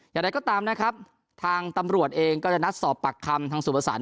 อย่างไรก็ตามนะครับทางตำรวจเองก็จะนัดสอบปากคำทางสุภาษา